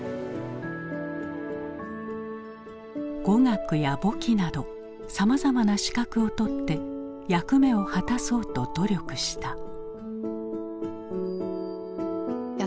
語学や簿記などさまざまな資格を取って役目を果たそうと努力した。